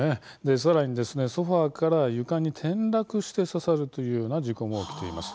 さらにソファーから床に転落して刺さるというような事故も起きています。